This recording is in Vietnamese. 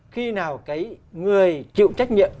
khi nào cái người chịu trách nhiệm